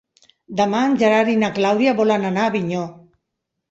Demà en Gerard i na Clàudia volen anar a Avinyó.